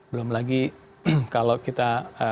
belum lagi kalau kita